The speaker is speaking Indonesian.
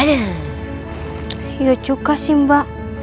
iya juga sih mba